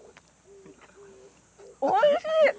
おいしい！